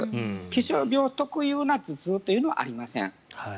気象病特有の頭痛というのはありません。